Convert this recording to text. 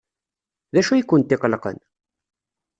D acu ay kent-iqellqen?